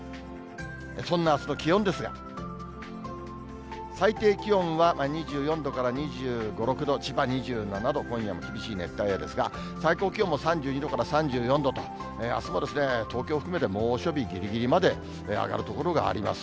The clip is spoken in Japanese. そんなあすの気温ですが、最低気温は２４度から２５、６度、千葉２７度、今夜も厳しい熱帯夜ですが、最高気温も３２度から３４度と、あすも東京含めて猛暑日ぎりぎりまで上がる所があります。